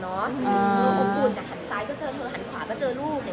เธออมกุลหันซ้ายก็เจอเธอหันขวาก็เจอลูก